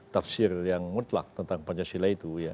tafsir yang mutlak tentang pancasila itu